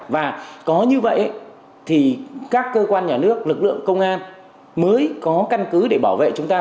và có như vậy thì các cơ quan nhà nước lực lượng công an mới có căn cứ để bảo vệ chúng ta